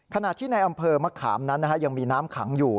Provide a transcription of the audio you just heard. ขณะที่ในอำเภอมะขามนั้นยังมีน้ำขังอยู่